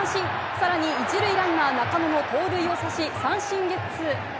さらに１塁ランナー、中野の盗塁を刺し、三振ゲッツー。